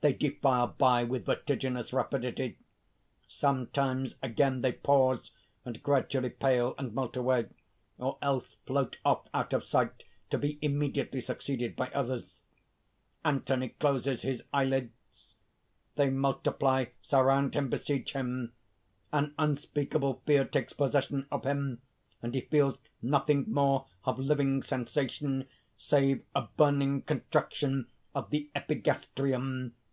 They defile by with vertiginous rapidity. Sometimes again, they pause and gradually pale and melt away; or else float off out of sight, to be immediately succeeded by others._ Anthony closes his eyelids. _They multiply, surround him, besiege him. An unspeakable fear takes possession of him; and he feels nothing more of living sensation, save a burning contraction of the epigastrium.